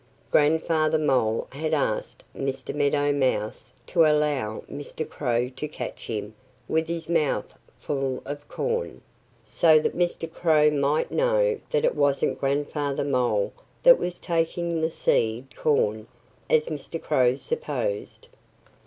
Grandfather Mole had asked Mr. Meadow Mouse to allow Mr. Crow to catch him with his mouth full of corn, so that Mr. Crow might know that it wasn't Grandfather Mole that was taking the seed corn, as Mr. Crow supposed.